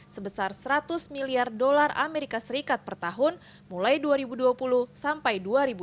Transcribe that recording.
sebesar seratus miliar dolar amerika serikat per tahun mulai dua ribu dua puluh sampai dua ribu dua puluh dua